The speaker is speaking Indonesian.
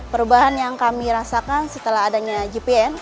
perubahan yang kami rasakan setelah adanya gpn